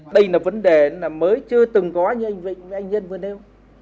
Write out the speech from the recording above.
đây là vấn đề mới chưa từng có như anh vịnh với anh nhân vừa nêu